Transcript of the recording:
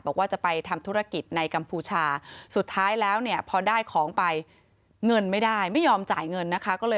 บอกว่าจะไปทำธุรกิจในกัมพูชาสุดท้ายแล้วเนี่ยพอได้ของไปเงินไม่ได้ไม่ยอมจ่ายเงินนะคะ